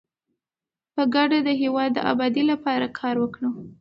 په ګډه د هیواد د ابادۍ لپاره کار وکړو.